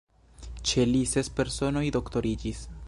Ĉe li ses personoj doktoriĝis.